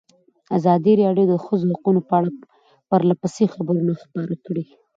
ازادي راډیو د د ښځو حقونه په اړه پرله پسې خبرونه خپاره کړي.